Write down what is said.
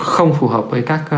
không phù hợp với các